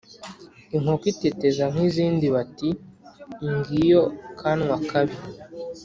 Inkokokazi iteteza nk’izindi bati ngiyo kanwa kabi.